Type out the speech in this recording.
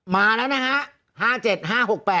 มาแล้วนะฮะ